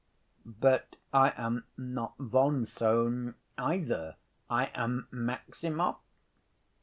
"But I am not von Sohn either. I am Maximov."